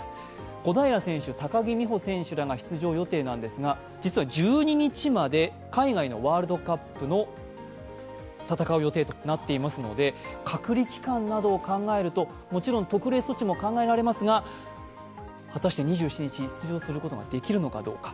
小平選手、高木美帆選手らが出場予定なんですが、実は１２日まで海外のワールドカップで戦う予定となっていますので隔離機関などを考えるともちろん特例措置なども考えられますが果たして２７日に出場することができるのかどうか。